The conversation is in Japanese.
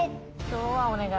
今日はお願い。